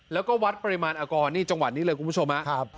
แล้วก็วัดปริมาณแอลกอนี่จังหวัดนี้เลยคุณผู้ชมครับ